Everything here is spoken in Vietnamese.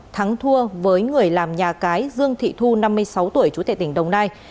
thắng thua với người làm nhà cái dương thị thu năm mươi sáu tuổi trú tại tỉnh đồng nai